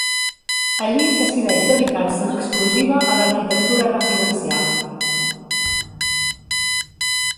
Allí decideix dedicar-se en exclusiva a l'arquitectura residencial.